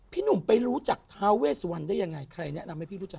หนุ่มไปรู้จักท้าเวสวันได้ยังไงใครแนะนำให้พี่รู้จัก